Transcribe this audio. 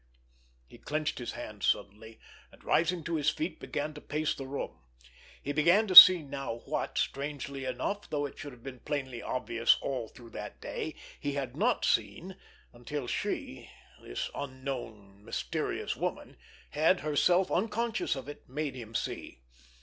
He clenched his hands suddenly, and rising to his feet began to pace the room. He began to see now what, strangely enough, though it should have been plainly obvious all through that day, he had not seen until she, this unknown, mysterious woman, had, herself unconscious of it, made him see.